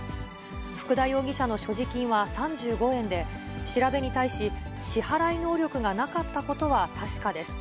福田容疑者の所持金は３５円で、調べに対し、支払い能力がなかったことは確かです。